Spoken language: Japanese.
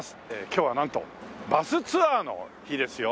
今日はなんとバスツアーの日ですよ。